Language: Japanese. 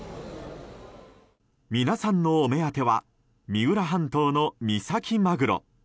皆さんのお目当ては三浦半島の三崎マグロ。